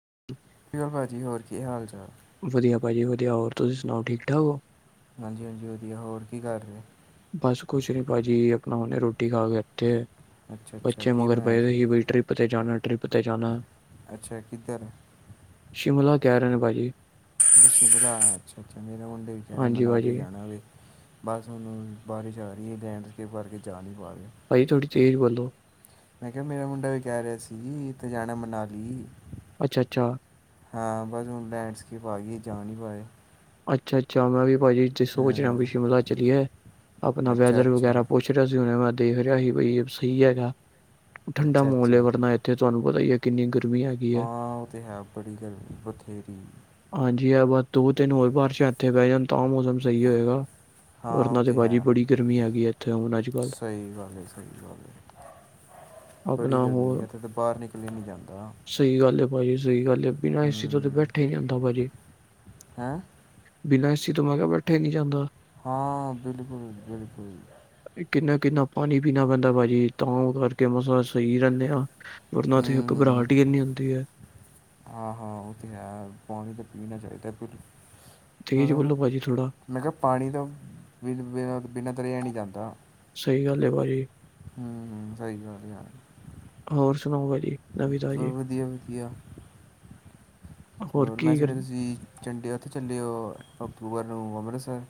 [inaudible] ਕਿਵੇਂ ਭਾਅ ਜੀ, ਹੋਰ ਕੀ ਹਾਲ-ਚਾਲ? ਵਧੀਆ ਭਾਜੀ ਵਧੀਆ, ਹੋਰ ਤੁਸੀਂ ਸੁਣਾਓ, ਠੀਕ-ਠਾਕ ਹੋ? ਹਾਂਜੀ ਹਾਂਜੀ ਵਧੀਆ, ਹੋਰ ਕੀ ਕਰ ਰੇ? ਬਸ ਕੁਛ ਨੀ ਭਾਜੀ ਅਪਣਾ ਹੂਣੇ ਰੋਟੀ ਖਾ ਕੇ ਹਟੇ ਅ। ਅੱਛਾ ਅੱਛਾ ਬੱਚੇ ਕੀ ਮਗਰ ਬਣਾਇਆ ਪਏਦੇ ਸੀ ਬਈ ਟ੍ਰਿੱਪ ਤੇ ਜਾਣਾ ਟ੍ਰਿੱਪ ਤੇ ਜਾਣਾ। ਅੱਛਾ ਕਿੱਧਰ ਸ਼ਿਮਲਾ ਕੈ ਰੇਣੇ ਭਾਜੀ। ਬ ਸ਼ਿਮਲਾ ਅੱਛਾ ਅੱਛਾ, ਮੇਰੇ ਮੁੰਡੇ ਵੀ ਕੈ ਰੇ ਆ ਹਾਂਜੀ ਮਨਾਲੀ ਭਾਜੀ ਜਾਣਾ ਵੇ। ਬਸ ਹੁਣੂੰ ਬਾਰਿਸ਼ ਆ ਰੀ ਏ ਲੈਂਡ ਸਕੇਪ ਕਰਕੇ ਜਾ ਨੀ ਪਾ ਰੇ। ਭਾਅ ਜੀ ਥੋੜ੍ਹੀ ਤੇਜ਼ ਬੋਲੋ। ਮੈਂ ਕਿਆ ਮੇਰਾ ਮੁੰਡਾ ਵੀ ਕੈ ਰਿਆ ਸੀ ਇਤ ਜਾਣੈ ਮਨਾਲੀ। ਅੱਛਾ, ਅੱਛਾ। ਹਾਂ, ਬਸ ਹੁਣ ਲੈਂਡਸਕੇਪ ਆ ਗੀ ਏ, ਜਾ ਨੀ ਪਾਏ। ਅੱਛਾ ਅੱਛਾ, ਮੈਂ ਵੀ ਭਾਜੀ ਇਤੇ ਸੋਚ ਰਿਆ ਬਈ ਹਾਂ ਸ਼ਿਮਲਾ ਚਲੀਏ। ਅਪਣਾ ਅੱਛਾ ਵੈਦਰ ਵਗੈਰਾ ਅੱਛਾ ਪੋਛ ਪੁੱਛ ਰਿਆ ਸੀ ਹੁਨੇ ਮੈਂ ਦੇਖ ਰਿਆ ਸੀ ਬਈ ਅਬ ਸਹੀ ਹੈਗਾ। ਠੰਡਾ ਅੱਛਾ ਮੋਲ ਅੱਛਾ ਏ ਵਰਨਾ ਇੱਥੇ ਤੁਆਨੂੰ ਪਤਾ ਈ ਏ ਕਿੰਨੀ ਗਰਮੀ ਹੈਗ ਹਾਂ, ਓਹ ਤੇ ਹੈ ਬੜੀ ਗਰਮੀ ਏ ਬਥੇਰੀ। ਹਾਂਜੀ ਐ ਬਸ ਦੋ-ਤਿੰਨ ਹੋਰ ਬਾਰਿਸ਼ਾਂ ਐਥੇ ਬੈ ਜਣ ਤਾਂ ਮੌਸਮ ਸਹੀ ਹੋਏਗਾ। ਹਾਂ ਉਹ ਵਰਨਾਂ ਤੇ ਭਾਜੀ ਹੈ ਬੜੀ ਗਰਮੀ ਹੈਗੀ ਏ ਐਥੇ ਹੁਣ ਅੱਜ-ਕੱਲ੍ਹ। ਸਹੀ ਗੱਲ ਹੈ ਸਹੀ ਗੱਲ ਹੈ ਬੜੀ ਗਰਮੀ ਏ। ਐਥੇ ਤੇ ਬਾਰ ਨਿਕਲੇਆ ਨੀ ਜਾਂਦਾ। ਸਹੀ ਗੱਲ ਏ ਭਾਜੀ ਸਹੀ ਗੱਲ ਏ। ਬਿਨਾਂ ਏ ਸੀ ਤੋਂ ਹੂੰ ਬੈਠਾ ਈ ਨੀ ਜਾੰਦਾ ਭਾਜੀ। ਹੈਂ? ਬਿਨਾਂ ਏਸੀ ਤੋਂ ਮੈਂ ਕਿਆ ਬੈਠਾ ਈ ਨੀ ਜਾਂਦਾ। ਹਾਂ, ਬਿਲਕੁਲ-ਬਿਲਕੁਲ। ਕਿੰਨਾ-ਕਿੰਨਾ ਪਾਣੀ ਪੀਣਾ ਪੈਂਦਾ ਭਾਜੀ ਤਾਂ ਕਰਕੇ ਮਸਾ ਸਹੀ ਰੈਣੇ ਆਂ। ਵਰਨਾ ਹੂੰ ਤੇ ਹੂੰ ਘਬਰਾਟ ਈ ਏਨੀ ਹੁੰਦੀ ਏ। ਹਾਂ ਹਾਂ, ਓਹ ਤੇ ਹੈ। ਪਾਣੀ ਤੇ ਪੀਣਾ ਚਾਈਦੈ ਭੂਰੂਫ। ਤੇਜ਼ ਮਤਲਬ ਨਾ ਬੋਲੋ ਭਾਜੀ ਥੋੜਾ ਮੈਂ ਕਿਆ ਪਾਣੀ ਤਾਂ ਬਿਲ ਬੇਨਾ ਬਿਨਾਂ ਤੋ ਰਿਆ ਨੀ ਜਾਂਦਾ। ਸਹੀ ਗੱਲ ਏ ਭਾਜੀ। ਹੂੰ ਹੂੰ, ਸਹੀ ਗੱਲ ਹੋਰ ਸੁਣਾਓ ਭਾਜੀ? ਨਵੀਂ ਚਲੋ ਤਾਜੀ ਵਧੀਆ ਵਧੀਆ, ਹੋਰ ਮੈਂ ਕੀ ਕਰ ਸੁਣਿਆ ਤੁਸੀਂ ਚੰਡੀ ਓਥੇ ਚੱਲੇ ਓ ਅਕਤੂਬਰ ਨੂੰ ਅੰਮ੍ਰਿਤਸਰ।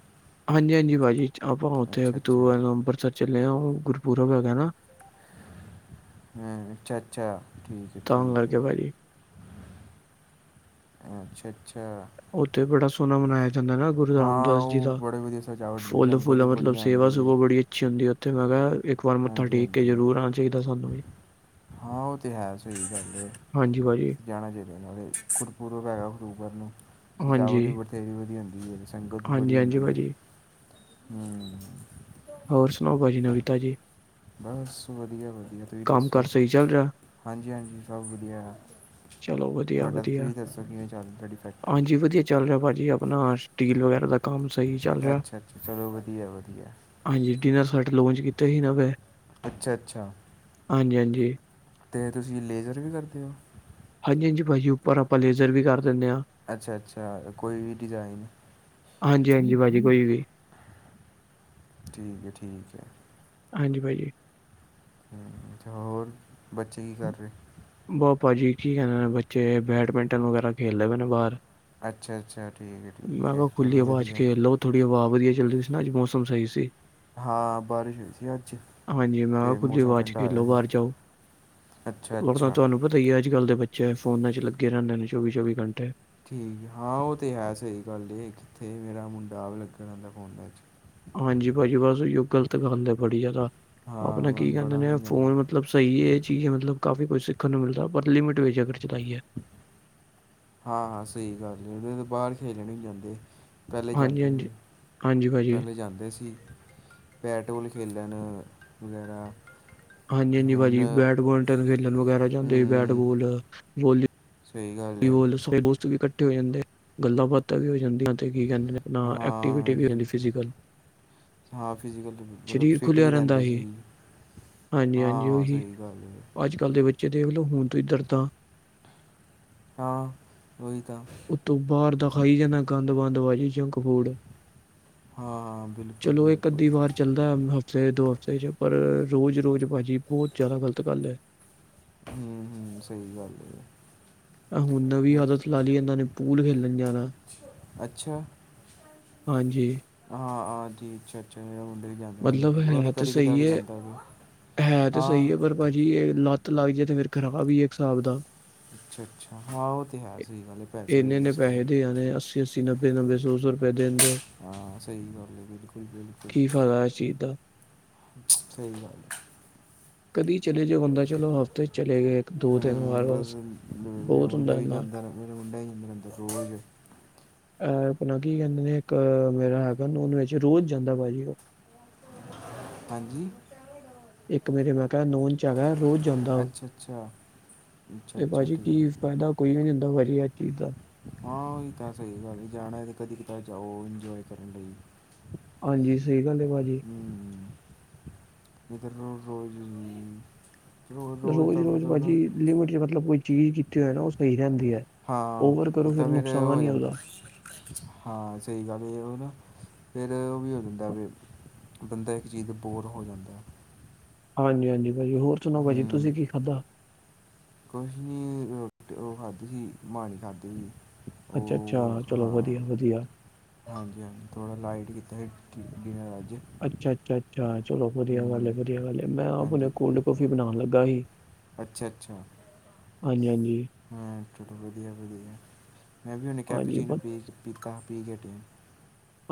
ਹਾਂਜੀ ਹਾਂਜੀ ਭਾਜੀ, ਆਪਾਂ ਓਥੇ ਅੱਛਾ ਅੱਛਾ ਅਕਤੂਬਰ ਨੂੰ ਅੰਬਰਸਰ ਚੱਲੇ ਆਂ। ਓ ਗੁਰਪੁਰਬ ਹੈਗੈ ਨਾ। ਹੈਂ, ਅੱਛਾ-ਅੱਛਾ ਠੀਕ। ਹੈ ਤਾਂ ਲੜ ਠੀਕ ਕੇ ਭਾਜੀ, ਹੈ ਅਛੱ-ਅਛਾ। ਉੱਥੇ ਬੜਾ ਸੋਹਣਾ ਮਨਾਇਆ [unintelligible] ਜਾਂਦਾ ਨਾ ਗੁਰੂ ਹਾਂ ਰਾਮਦਾਸ ਜੀ ਉਹ ਦਾ ਬੜੇ ਵਧੀਆ ਸਜਾਵਟ ਮਿਲ ਫੁੱਲ- ਸੰਗਤ ਦੀ ਫੁੱਲਾ ਬੜੀ ਮਤਲਬ ਸੇਵਾ- ਆਉਂਦੀ ਹੈ ਸੂਵਾ ਬੜੀ, ਛਡੀ ਉੱਥੇ ਮੈਂ ਕਿਹਾ ਇੱਕ ਵਾਰ ਮੱਥਾ ਹਾਂਜੀ ਟੇਕ ਕੇ ਹਾਂਜੀ ਜ਼ਰੂਰ ਆਣਾ ਚਾਹੀਦਾ ਸਾਨੂੰ ਵੀ। ਹਾਂ ਉਹ ਤੇ ਐ, ਸਹੀ ਗੱਲ ਐ। ਹਾਂਜੀ ਭਾਜੀ ਜਾਣਾ ਚਾਹੀਦਾ, ਨਾਲੇ ਗੁਪੂਰਬ ਹੈਗਾ ਅਕਟੂਬਰ ਨੂੰ ਸਜਾਵਟ ਹਾਂਜੀ ਵੀ ਬਥੇਰੀ ਵਧੀਆ ਹੂੰਦੀ ਏ। ਸੰਗਤ ਵੀ ਹਾਂਜੀ ਬੜੀ ਹਾਂਜੀ ਹੁੰਦੀ ਐ, ਭਾਜੀ ਹੂੰ। ਹੋਰ ਸੁਣਾੳ ਭਾਜੀ ਨਵੀ ਤਾਜੀ? ਬਸ ਵਧੀਆ- ਵਧੀਆ ਤੁਸੀਂ ਕੰਮ ਕਾਰ ਦੱਸੋ ਸਹੀ ਚੱਲ ਰਿਹਾ ਹਾਂਜੀ- ਹਾਂਜੀ ਸਭ ਵਧੀਆ। ਚਲੋ ਵਧੀਆ ਤੁਹਾਡਾ ਵਧੀਆ ਤੁਸੀਂ ਦੱਸੋ ਕਿਵੇਂ ਚੱਲਰੀ ਤੁਹਾਡੀ ਫੈਕਟਰੀ? ਹਾਂਜੀ ਵਧੀਆ ਚੱਲ ਰਿਹਾ ਭਾਜੀ ਆਪਣਾ ਸਟੀਲ ਵਗੈਰਾ ਦਾ ਕੰਮ ਸਹੀ ਚੱਲ ਰਿਹਾ। ਅੱਛਾ ਅੱਛਾ ਚਲੋ ਵਧੀਆ ਵਧੀਆ ਹਾਂਜੀ ਡਿਨਰ ਸੈੱਟ ਲੋਂਚ ਕੀਤੇ ਜੀ ਨਵੇਂ। ਅੱਛਾ ਹਾਂਜੀ- ਹਾਂਜੀ। ਤੇ ਤੁਸੀਂ ਲੇਜ਼ਰ ਵੀ ਕਰਦੇ ਹੋ? ਹਾਂਜੀ- ਹਾਂਜੀ ਭਾਜੀ ਉੱਪਰ ਆਪਾਂ ਲੇਜ਼ਰ ਵੀ ਕਰ ਦਿੰਦੇ ਹਾਂ। ਅੱਛਾ- ਅੱਛਾ ਕੋਈ ਵੀ ਡਿਜ਼ਾਇਨ? ਹਾਂਜੀ- ਹਾਂਜੀ ਭਾਜੀ ਕੋਈ ਵੀ। ਠੀਕ ਐ- ਠੀਕ ਐ। ਹਾਂਜੀ ਭਾਜੀ। ਹੋਰ ਬੱਚੇ ਕੀ ਕਰ ਰਹੇ? ਬਸ ਭਾਜੀ ਠੀਕ ਹੈਗੇ ਨੇ ਬੱਚੇ ਬੈਡਮਿੰਟਨ ਵਗੈਰਾ ਖੇਲਦੇ ਪਏ ਨੇ ਬਾਹਰ। ਅੱਛਾ- ਅੱਛਾ ਠੀਕ ਐ- ਮੈਂ ਠੀਕ ਐ ਕਿਹਾ ਖੁੱਲੀ ਚਲੋ ਆਵਾਜ਼ ਵਧੀਆ। ਖੇਲ ਲੋ ਥੋੜੀ ਹਵਾ ਵਧੀਆ ਚਲ ਰਹੀ ਸੀ ਨਾ ਅੱਜ ਮੌਸਮ ਸਹੀ ਸੀ। ਹਾਂ ਬਾਰਿਸ਼ ਹੋਈ ਸੀ ਅੱਜ ਹਾਂਜੀ ਮੈਂ ਕਿਹਾ ਤੇ ਖੁੱਲੀ ਮੌਸਮ ਆਵਾਜ਼ ਠੰਡਾ ਹੋਇਆ ਸੀ। ਅੱਛਾ। ਓ ਤਾਂ ਅੱਛਾ ਤੁਹਾਨੂੰ ਪਤਾ ਹੀ ਅੱਜ ਕੱਲ ਦੇ ਬੱਚੇ ਫੋਨਾ ਚ ਲੱਗੇ ਰਹਿੰਦੇ ਨੇ ਚੌਵੀ- ਚੌਵੀ ਘੰਟੇ। ਠੀਕ ਹਾਂ ਉਹ ਤਾਂ ਹੈ ਸਹੀ ਗੱਲ ਇਹ ਕਿੱਥੇ ਮੇਰਾ ਮੁੰਡਾ ਆਪ ਲੱਗਾ ਰਹਿੰਦਾ ਫੋਨ ਚ। ਹਾਂਜੀ ਭਾਜੀ ਬਸ ੳਹੀੳ ਗਲਤ ਗੱਲ ਐ ਬੜੀ ਜ਼ਿਅਦਾ ਹਾਂ ਆਪਣਾ ਮੈਂ ਕੀ ਉਹਨੂੰ ਕਹਿੰਦੇ ਬੜਾ ਨੇ ਫੋਨ ਸਮਝਾਉਂਦਾ ਮਤਲਬ ਮਤਲਬ ਸਹੀ ਐ ਇਹ ਚੀਜ਼ ਮਤਲਬ ਕਾਫ਼ੀ ਕੁੱਛ ਸਿੱਖਣ ਨੂੰ ਮਿਲਦਾ ਪਰ ਲਿਮਿਟ ਵਿੱਚ ਅਗਰ ਚਲਾਈ ਐ। ਹਾਂ- ਹਾਂ ਸਹੀ ਗੱਲ ਐ ਨਈ ਤੇ ਬਾਹਰ ਖੇਲਣ ਈ ਨੀ ਜਾਂਦੇ। ਪਹਿਲੇ ਹਾਂਜੀ ਜਾਂਦੇ ਹਾਂਜੀ ਹਾਂਜੀ ਸੀ- ਭਾਜੀ ਪਹਿਲੇ ਜਾਂਦੇ ਸੀ। ਬੈਟ ਬੋਲ ਖੇਲਣ ਵਗੈਰਾ। ਹਾਂਜੀ- ਹਾਂਜੀ ਹੁਣ ਭਾਜੀ ਬੈਡਮਿੰਟਨ ਖੇਲਣ ਵਗੈਰਾ ਜਾਂਦੇ ਸੀ ਹੂੰ ਬੈਟਬੋਲ, ਵੋਲੀ ਸਹੀ ਗੱਲ ਹੈ ਬੋਲ ਸਾਰੇ ਦੋਸਤ ਵੀ ਇਕੱਠੇ ਹੋ ਜਾਂਦੇ ਗੱਲਾਂ ਬਾਤਾਂ ਵੀ ਹੋ ਜਾਂਦੀ। ਕੀ ਕਹਿੰਦੇ ਆਪਣਾ ਐਕਟੀਵਿਟੀ ਹਾਂ ਵੀ ਹੋ ਜ- ਜਾਂਦੀ ਫਿਜ਼ੀਕਲ। ਹਾਂ ਫਿਜ਼ੀਕਲ ਵੀ ਮਤਲਬ ਫਿੱਟ ਵੀ ਰਹਿੰਦੇ ਸੀ। ਹਾਂਜੀ- ਹਾਂਜੀ ਹਾਂ, ਉਹੀ ਸਹੀ ਗੱਲ ਏ। ਅੱਜ ਕੱਲ ਦੇ ਬੱਚੇ ਦੇਖਲੋ ਹੁਨ ਤੋਂ ਹੀ ਦਰਦਾਂ। ਹਾਂ। ਉਹੀ ਤਾਂ ਉਤੋਂ ਬਾਹਰ ਦਾ ਖਾਈ ਜਾਣਾ ਗੰਦ ਬੰਦ ਭਾਜੀ ਜੰਕ ਫੂਡ ਆ। ਹਾਂ, ਬਿਲਕੁਲ, ਚਲੋ ਇੱਕ ਬਿਲਕੁਲ। ਅੱਧੀ ਵਾਰ ਚੱਲਦਾ ਹ- ਹਫ਼ਤੇ ਦੋ ਹਫ਼ਤੇ ਚ ਪਰ ਰੋਜ਼- ਰੋਜ਼ ਭਾਜੀ ਬੋਤ ਜ਼ਾਦਾ ਗਲਤ ਗੱਲ ਆ। ਹੂੰ -ਹੂੰ ਸਹੀ ਗੱਲ ਐ। ਐ ਹੁਣ ਨਵੀਂ ਆਦਤ ਲਾ ਲਈ ਇਹਨਾਂ ਨੇ ਪੂਲ ਖੇਲਣ ਜਾਣਾ। ਅੱਛਾ, ਹਾਂਜੀ ਹਾਂ- ਹਾਂ ਜੀ ਅੱਛਾ -ਅੱਛਾ [unintelligible] ਮਤਲਬ ਉਹ ਤੇ ਹੈ ਕਦੀ ਕਦਾਰ ਸਹੀ ਜਾਂਦਾ ਹੈ ਹੈ ਤੇ ਸਹੀ ਹੈ ਪਰ ਭਾਜੀ, ਇਹ ਲੱਤ ਲੱਗ ਜਾਏ ਤੇ ਫੇਰ ਖਰਾਬ ਵੀ ਹੈਏ, ਇੱਕ ਹਿਸਾਬ ਦਾ। ਅੱਛਾ- ਅੱਛਾ ਹਾਂ, ਉਹ ਤੇ ਹੈ ਸਹੀ ਗੱਲ ਏ, ਪੈਸੇ ਵੀ ਵੇਸਟ ਹੈ। [unintelligible] ਸੀ ਅੱਸੀ, ਨੱਬੇ -ਨੱਬੇ, ਸੌ -ਸੌ ਰੁਪਏ ਦੇਂਦੇ ਹਾਂ ਸਹੀ ਗੱਲ ਹੈ, ਬਿਲਕੁਲ ਬਿਲਕੁਲ ਕੀ ਫਾਇਦਾ ਇਸ ਚੀਜ਼ ਦਾ? ਸਹੀ ਗੱਲ ਹੈ। ਕਦੀ ਚਲੇ ਜਾਓ ਬੰਦਾ ਚਲੋ ਹਫ਼ਤੇ 'ਚ ਚਲੇ ਗਏ ਇੱਕ ਦੋ ਤਿੰਨ ਵਾਰ ਬਸ ਹਮਰੇ ਬਹੁਤ ਹੁੰਦਾ ਮੁੰਡੇ ਵੀ ਇੰਨਾ ਜਾਂਦੇ ਨੇ [inaudible] ਅਹ ਆਪਣਾ ਕੀ ਕਹਿੰਦੇ ਨੇ, ਇੱਕ ਮੇਰਾ ਹੈਗਾ, ਉਹਨ ਵਿੱਚ ਰੋਜ਼ ਜਾਂਦਾ ਭਾਜੀ ਉਹ ਹਾਂਜੀ [inaudible] ਜਗਾ, ਰੋਜ਼ ਜਾਂਦਾ ਅੱਛਾ ਅੱਛਾ ਅੱਛਾ ਤੇ ਅੱਛਾ ਭਾਜੀ ਠੀਕ ਹੈ ਕੀ ਠੀਕ ਹੈ। ਫਾਇਦਾ ਕੋਈ ਵੀ ਹੁੰਦਾ, ਭਾਜੀ ਇਹ ਵਧੀਆ ਚੀਜ਼ ਦਾ ਹਾਂ, ਉਹੀ ਤਾਂ ਸਹੀ ਗੱਲ ਜਾਣਾ ਤੇ ਕਦੀ ਕਿਤਾ ਜਾਓ, ਇੰਜੋਏ ਕਰਨ ਲਈ। ਹਾਂਜੀ, ਸਹੀ ਗੱਲ ਹੈ ਭਾਜੀ। [inaudible] ਰੋਜ਼- ਰੋਜ਼ ਦਾ ਮਤਲਬ ਲਿਮਿਟ ਚ ਮਤਲਬ ਕੋਈ ਚੀਜ਼ ਕੀਤੀ ਹੋਏ ਨਾ, ਉਹ ਸਹੀ ਰਹਿੰਦੀ ਹੈ। ਹਾਂ, ਓਵਰ ਇਹ ਕਰੋ ਫਿਰ ਤਾਂ ਫੇਿਰ ਹੋ ਨੁਕਸਾਨ ਹੀ ਜਾਂਦਾ। ਉਹਦਾ ਹਾਂ, ਸਹੀ ਗੱਲ ਉਹ ਨਾ, ਫੇਿਰ ਉਹ ਵੀ ਹੋ ਜਾਂਦਾ ਵੀ ਬੰਦਾ, ਇੱਕ ਚੀਜ਼ ਦਾ ਬੋਰ ਹੋ ਜਾਂਦਾ। ਹਾਂਜੀ -ਹਾਂਜੀ ਭਾਜੀ, ਹੋਰ ਸੁਣਾੋ ਭਾਜੀੀ ਤੁਸੀਂ ਹੂੰ ਕੀ ਖਾਧਾ। ਕੁਛ ਨੀ, ਰੋਟੀ ਉਹ ਖਾਧੀ ਸੀ, ਮਾਣੀ ਖਾਧੀ ਸੀ। ਅੱਛਾ ਉਹ -ਅੱਛਾ ਚਲੋ, ਹਾਂ ਵਧੀਆ- ਵਧੀਆ ਹਾਂਜੀ -ਹਾਂਜੀ ਥੋੜਾ ਲਾਈਟ ਕੀਤਾ ਸੀ, ਡਿਨਰ ਅੱਜ ਅੱਛਾ - ਅੱਛਾ -ਅੱਛਾ ਚਲੋ ਵਧੀਆ ਗੱਲ, ਹੂੰ ਵਧੀਆ ਗੱਲ, ਮੈਂ, ਆਪ ਹੁਣੇ ਹਾਂਜੀ ਕੋਲਡ ਕਫੀ ਬਣਾਉਣ ਲੱਗਾ ਹੀ। ਅੱਛਾ -ਅੱਛਾ ਹਾਂਜੀ- ਹਾਂਜੀ ਹਾਂ, ਚਲੋ ਵਧੀਆ- ਵਧੀਆ ਮੈਂ, ਵੀ ਹੁਣ ਕੈਪ ਹਾਂਜੀ ਚੀਨੋ ਬ ਪੀ ਪ ਕਾਫੀ ਪੀ ਕੇ ਹਟਿਆ।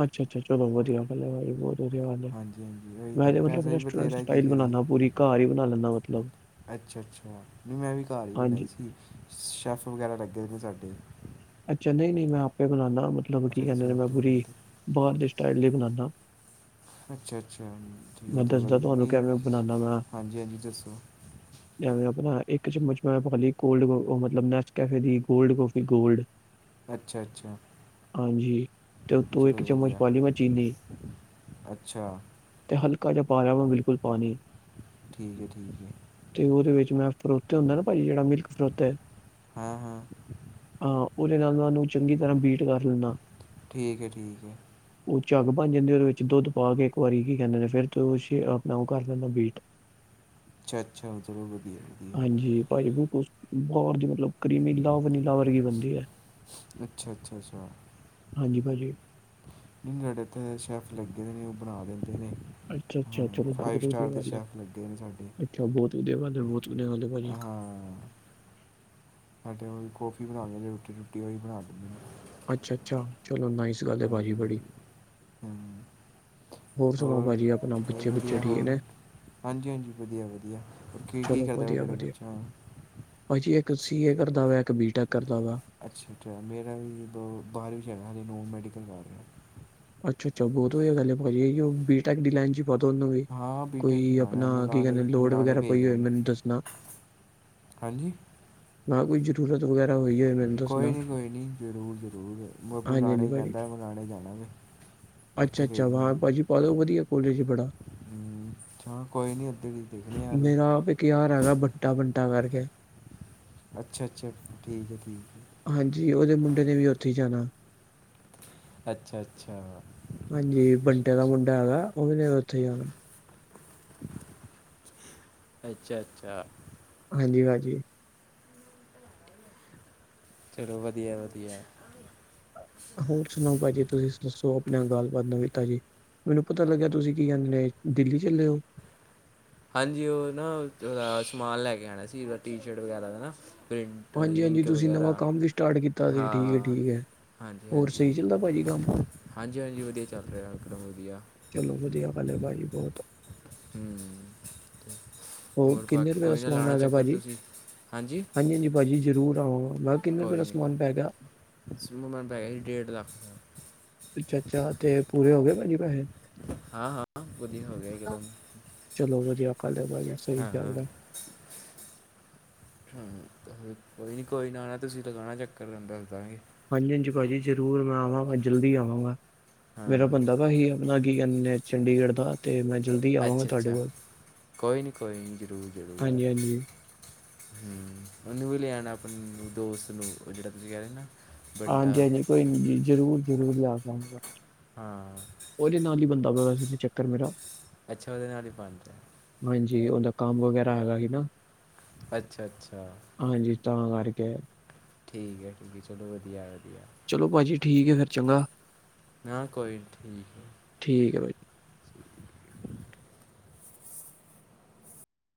ਅੱਛਾ -ਅੱਛਾ ਚਲੋ, ਵਧੀਆ ਭੱਲੇ ਭ ਬਹੁੀ ਹਾਂਜੀ ਹਾਂਜੀ ਉਹੀ ਤਾਂ ਮੈਂਦੇ ਮਤਲਬ ਪੈਸਾ ਵੀ ਰੈਸਟੋਰੈਂਟ ਬਥੇਰਾ ਕੀ ਸਟਲ ਬਣਾਦਾ, ਪੂਰੀ ਕਰੀਏ ਘਰ ਹੀ ਬਣਾ ਲੈਂਦਾ ਮਤਲਬ ਅੱਛਾ- ਅੱਛਾ ਨਹੀਂ ਮੈਂ ਵੀ ਘਰ ਹੀ ਬਣਾਈ ਹਾਂਜੀ। ਸੀ, ਸ਼ੈੱਫ ਵਗੈਰਾ, ਲੱਗੇ ਨੇ ਸਾਡੇ ਅੱਛਾ, ਨਹੀਂ -ਨਹੀਂ ਮੈਂ ਆਪੇ ਬਣਾਉਦਾ, ਮਤਲਬ ਕੀ ਅੱਛਾ ਕਹਿੰਦੇ ਤੁਸੀਂ ਨੇ, ਮੈਂ ਆਪ ਤੋਂ ਬੂਰੀ ਬਣਾਉਂਦੇ ਬਾਹਰ ਦੇ ਸਟਾਈਲ ਲਈ ਬਣਾਉਦਾ। ਅੱਛਾ -ਅੱਛਾ ਉਹ ਤਾਂ ਦੱਸਦਾ ਵਧੀਆ ਤੁਹਾਨੂੰ ਨਹੀਂ ਕਿਵੇਂ ਹਾਂਜੀ -ਹਾਂਜੀ ਦੱਸੋ। ਜਵੇ, ਆਪਣਾ ਇੱਕ ਚਮਚ ਮੈਂ ਪਾ ਲਈ, ਕੋਲਡ ਮਤਲਬੈ ਨੈਸ ਕੈਫੇ ਦੀ ਗੋਲਡ ਕਫੀ ਗੋਲਡ ਅੱਛਾ -ਅੱਛਾ ਹਾਂਜੀ, ਤੇ ਉੱਤੋਂ ਇੱਕ ਚਲੋ ਚਮਚ ਵਧੀਆ ਪਾ ਲਈਿ, ਮੈਂ ਚੀਨੀ ਅੱਛਾ ਤੇ ਹਲਕਾ ਜ ਪਾਰਾਵਾਂ ਬਿਲਕੁਲ ਪਾਣੀ। ਠੀਕ ਹੈ ਠੀਕ ਹੈ ਤੇ ਉਹਦੇ ਵਿੱਚ ਮੈਂ ਫਰੋਤੇ ਹੁੰਦਾ ਨਾ, ਭਾਜੀ ਜਿਹੜਾ ਮਿਲਕ ਫਰੋਤਾ ਹਾਂ ਹਾਂ ਹਾਂ, ਉਹਦੇ ਨਾਲ ਮਨੂੰ ਚੰਗੀ ਤਰ੍ਹਾਂ ਬੀਟ ਕਰ ਲੈਂਦਾ। ਠੀਕ ਏ, ਠੀਕ ਏ ਓਹ ਝੱਗ ਬਣ ਜਾਂਦੀ ਉਹਦੇ ਵਿੱਚ ਦੁੱਧ ਪਾ ਕੇ ਇੱਕ ਵਾਰੀ ਕੀ ਕੇਂਦੇ ਨੇ ਫਿਰ ਤੇ ਤੁਸੀ ਆਪਣਾ ਉਹ ਕਰ ਲੈਂਨਾ ਬੀਟ। ਅੱਛਾ- ਅੱਛਾ, ਚਲੋ ਵਧੀਆ- ਵਧੀਆ ਜੀ ਪਾਜੀ ਬਿਲਕੁਲ ਬਰ ਜ ਮਤਲਬ ਕਰੀਮੀ ਲਵਰ ਨ ਲਵਰਗੀ ਬੰਦੇ ਐ। ਅੱਛਾ- ਅੱਛਾ- ਸੋਰੀ ਹਾਂਜੀ ਪਾਜੀ। ਨਈ ਸਾਡੇ ਏਥੇ ਤੇ ਸ਼ੈੱਫ ਲੱਗੇੇ ਨੇ ਓਹ ਬਣਾ ਦਿੰਦੇ ਨੇ ਅੱਛਾ ਅੱਛਾ ਹਮ ਚਲੋ ਫਾਈਵ ਸਟਾਰ ਦੇ ਸ਼ੈਫ ਲੱਗੇ ਨੇ ਸਾਡੇ। ਬੋਤ ਵਦੀਆ ਗੱਲ ਵੇ, ਬੋਤ ਵਦੀਆ ਗੱਲ ਏ ਪਾਜੀ। ਹਾਂ ਸਾਡੇ ਉਹ ਕੌਫੀ ਬਣਾ ਲਦੇ ਰੋਟੀ ਰੁੱਟੀ ਉਹੀ ਬਣਾ ਦਿੰਦੇ ਨੇ ਅੱਛਾ ਅੱਛਾ ਚਲੋ ਨਾਈਸ ਗੱਲ ਏ ਭਾਜੀ ਹਾਂਜੀ ਬੜੀ। ਹਾਂਜੀ ਹਮ ਹੋਰ ਸੁਨਾਓ ਭਾਜੀ ਆਪਣਾ ਹੋਰ ਬੱਚੇ- ਬੱਚੇ ਵਧੀਆ ਠੀਕ ਹੋਰ ਨੇ? ਹਾਂਜੀ- ਹਾਂਜੀ ਵਧੀਆ ਵਧੀਆ ਹੋਰ ਕੀ-ਕੀ ਕਰਦਾ ਤੁਹਾਡੇ ਬੱਚਿਆਂ ਨੇ ਪਾਜੀ ਇੱਕ ਸੀ-ਏ ਕਰਦਾ ਵਾ ਇੱਕ ਬੀ-ਟੈਕ ਕਰਦਾ ਵਾ। ਅੱਛਾ-ਅੱਛਾ ਮੇਰਾ ਵੀ ਬੋ, ਬਾਰ ਜਾਣਾ ਅ ਨੋਂਨ ਮੈਡੀਕਲ ਕਰ ਰਯਾ ਵਾਂ। ਅੱਛਾ-ਅੱਛਾ ਬੋਤ ਵਦੀਆਂ ਗੱਲ ਐ ਪਾਜੀ ਓ ਬੀ- ਟੈਕ ਦੀ ਲਾਈਨ ਚ। [unintelligible] ਹਾਂ ਕੋਈ ਬੀਟੈਕ ਹੀ ਪਾਉਣਾ ਆਪਨਾ ਕੀ ਮੁਲਾਣੇ ਕਹਿੰਦੇ ਲੋੜ ਮੁਲਾਣੇ ਵਗੈਰਾ ਭੇਜ ਪਈ ਰਿਹਾ ਹੋਵੇ ਮੈਂ ਮੈਨੂੰ ਦੱਸਨਾ। ਹਾਂਜੀ ਨਾ ਕੋਈ ਜ਼ਰੂਰਤ ਵਗੈਰਾ ਹੋਈ ਐ। ਕੋਈ ਨਈ ਕੋਈ ਨਈ ਜ਼ਰੂਰ-ਜ਼ਰੂਰ ਬ ਬੁਲਾਨਾ ਪੇਂਦਾ ਬੁਲਾਨਾ ਇ ਪੈਣਾ ਵੇ ਉੱਥੇ ਅੱਛਾ-ਅੱਛਾ ਭੇਜ ਵਾਂ ਦਾਂਗਾ ਭਾਜੀ ਪਾ ਦੋ ਵਦੀਆਂ ਕੋਲੇਜ਼ ਬਡਾ ਹਮ, ਅੱਛਾ ਕੋਈ ਨੀ ਉਦੇ ਵੀ ਓਦੇ ਸ਼ਹਰ ਵੇ ਕਿਆਰ, ਹੈਗਾ ਭੱਟਾ ਬਟਾ ਕਰਕੇ। ਅੱਛਾ-ਅੱਛਾ ਠੀਕ ਐ ਠੀਕ। ਹੈ ਹਾਂਜੀ ਓਦੇ ਮੁੰਡੇ ਨੇ ਵੀ ਓਥੇ ਈ ਜਾਨਾ ਅੱਛਾ-ਅੱਛਾ। ਹਾਂਜੀ, ਬੰਟੇ ਦਾ ਮੁੰਡਾ ਹੈਗਾ ਓਨੇ ਵੀ ਉਥੇ ਜਾਣਾ। ਅੱਛਾ-ਅੱਛਾ। ਹਾਂਜੀ-ਹਾਜੀ। ਚਲੋ ਵਦੀਆਂ-ਵਦੀਆਂ। ਹੋਰ ਸੁਨਾਓ ਪਾਜੀ, ਤੁਸੀ ਦੱਸੋ ਆਪਨੀਆ ਗੱਲਬਾਤ ਨਵੀਂ ਤਾਜੀ। ਮੈਨੂੰ ਪਤਾ ਲੱਗਿਆ ਤੁਸੀ ਕੀ ਕੈਂਦੇ ਨੇ, ਦਿੱਲੀ ਚੱਲੇ ਓ। ਹਾਂਜੀ ਓਹ ਨਾ ਦਾ ਸਮਾਨ ਲੈ ਕੇ ਆਣਾ ਸੀ ਓਦਾ ਟੀ-ਸ਼ਰਟ ਵਗੈਰਾ ਦਾ ਨਾ ਪ੍ਰਿੰਟ ਹਾਂਜੀ ਹਾਂਜੀ ਇੰਕ ਤੁਸੀਂ ਨਵਾਂ ਵਗੈਰਾ, ਕੰਮ ਵੀ ਸਟਾਰਟ ਕੀਤਾ ਸੀ ਠੀਕ ਹੈ ਹਾਂ। ਠੀਕ ਹੈ ਹੋਰ ਹਾਂਜੀ-ਹਾਂਜੀ, ਸਹੀ ਚੱਲਦਾ ਭਾਜੀ ਕੰਮ? ਹਾਂਜੀ-ਹਾਂਜੀ ਵਦੀਆਂ ਚੱਲ ਰੇਹਾ ਇਕ ਦਮ ਵਦੀਆਂ। ਚਲੋ ਵਦੀਆਂ ਗੱਲ ਐ ਪਾਜੀ ਬੋਤ। ਹੂੰ। [inaudible] ਔਰ ਕਿੰਨੇ ਬਾਕੀ ਰੁਪਏ ਦਾ ਕੋਈ ਨਾ ਸਮਾਨ ਲਾਣਾ ਆ ਗਿਆ ਚੱਕਰ ਪਾਜੀ, ਤੁਸੀਂ ਹਾਂਜੀ ਹਾਂਜੀ-ਹਾਂਜੀ ਪਾਜੀ ਜ਼ਰੂਰ ਆਵਾਂਗਾ ਕਿੰਨੇ ਰੁਪਏ ਦਾ ਕੋਈ ਨਈ ਕੋਈ, ਸਮਾਨ ਪੈ ਗਿਆ? ਸਮਾਨ ਪੈ ਗਿਆ ਡੇਢ ਲੱਖ। ਦਾ। ਅੱਛਾ-ਅੱਛਾ ਤੇ ਪੂਰੇ ਹੋ ਗਏ ਪਾਜੀ ਪੈਹੇ ਹਾਂ- ਹਾਂ [unintelligible] ਹੋ ਗਯਾ ਇਕਦਮ। ਚਲੋ ਵਦੀਆਂ ਗੱਲ ਐ ਪਾਜੀ ਸਈ ਹਾਂ ਗੱਲ ਐ। ਹਾਂ, ਕੋਈ ਨੀ ਕੋਈ ਨਾ ਆਨਾ ਤੁਸੀ ਲਗਾਨਾ ਚੱਕਰ ਤਾਨੂ ਦੱਸ ਦਾਂਗੇ। ਹਾਂਜੀ ਹਾਂਜੀ ਭਾਜੀ। ਜਰੂਰ ਮੈਂ ਆਵਾਂਗਾ ਜਲਦੀ ਆਵਾਂਗਾ, ਮੇਰਾ ਹਾਂ ਬਨਦਾ ਪੇਆ ਸੀ ਅਪਨਾ ਕੀ ਕੇਂਦੇ ਨੇ ਚੰਡੀਗੜ੍ਹ ਦਾ। ਤੇ ਮੈਂ ਜਲਦੀ ਆਵਾਂਗਾ ਅੱਛ ਤੁਹਾਡੇ ਅੱਛਾ, ਕੋਲ। ਕੋਈ ਨੀ ਕੋਈ ਨੀ ਜਰੂਰ-ਜਰੂਰ। ਹਾਂਜੀ-ਹਾਂਜੀ। ਹੂੰ। ਓਨੂੰ ਵੀ ਲੇਆਣਾ, ਅਪਣੇ ਦੋਸਤ ਨੂੰ ਓ ਜੇੜਾ ਤੁਸੀ ਕੈਰੇ ਨਾ ਬੰਟਾ ਹਾਂਜੀ ਹਾਂਜੀ। ਕੋਈ ਨੀ ਜੀ ਜਰੂਰ ਜਰੂਰ ਲੈ ਕੇ ਆਂਗਾ। ਹਾਂ ਓਦੇ ਨਾਲ ਈ ਬਨਦਾ ਪਵਾ ਵੈਸੇ ਤੇ ਚੱਕਰ ਮੇਰਾ। ਅੱਛਾ ਉਹਦੇ ਨਾਲ ਹੀ ਬਣ ਰਿਹਾ ਹਾਂਜੀ। ਓਦਾ ਕੰਮ ਵਗੈਰਾ ਹੈਗਾ ਹੀ ਨਾ। ਅੱਛਾ- ਅੱਛਾ। ਹਾਂਜੀ। ਤਾਂ ਕਰਕੇ। ਠੀਕ ਐ ਠੀਕ ਐ। ਚਲੋ ਵਦੀਐ ਵਦੀਐ। ਚਲੋ ਭਾਜੀ ਠੀਕ ਏ ਫੇਰ ਚੰਗਾ, ਨਾ ਕੋਈ ਨੀ, ਠੀਕ ਹੈ ਠੀਕ ਐ ਬਈ।